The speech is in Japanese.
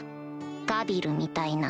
ガビルみたいな